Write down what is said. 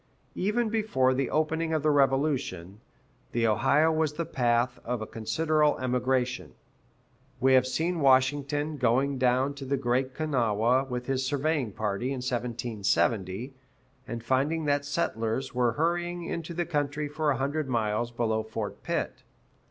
[B] Even before the opening of the Revolution, the Ohio was the path of a considerable emigration. We have seen Washington going down to the Great Kanawha with his surveying party, in 1770, and finding that settlers were hurrying into the country for a hundred miles below Fort Pitt.